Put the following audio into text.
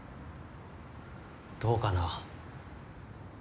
どうかな。